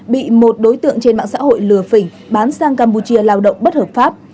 bị một đối tượng trên mạng xã hội lừa phỉnh bán sang campuchia lao động bất hợp pháp